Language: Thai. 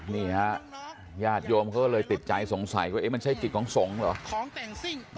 นี่ฮะญาติโยมเขาเลยติดใจสงสัยว่าเอ๊ะมันใช้กฤตของสงศ์เหรอ